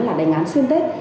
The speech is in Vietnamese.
là đánh án xuyên tết